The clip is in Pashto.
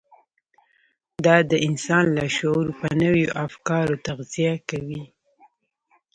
دا د انسان لاشعور په نويو افکارو تغذيه کوي.